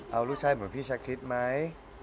เอาลูกชายเหมือนพี่ชาคริสไหม